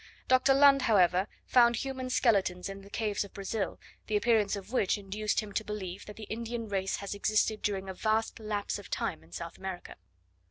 Dr. Lund, however, found human skeletons in the caves of Brazil, the appearance of which induced him to believe that the Indian race has existed during a vast lapse of time in South America.